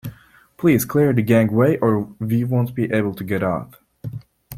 Please clear the gangway or we won't be able to get out